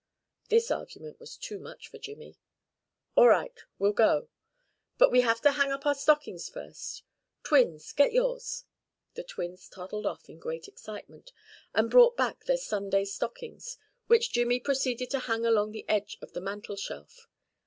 This argument was too much for Jimmy. "All right, we'll go. But we have to hang up our stockings first. Twins, get yours." The twins toddled off in great excitement, and brought back their Sunday stockings, which Jimmy proceeded to hang along the edge of the mantel shelf.